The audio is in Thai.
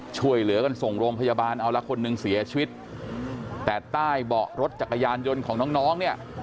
ช่วยเหลือกันส่งโรงพยาบาลเอาละคนหนึ่งเสียชีวิตแต่ใต้เบาะรถจักรยานยนต์ของน้องน้องเนี่ย